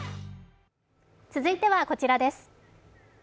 続いてはこちらです。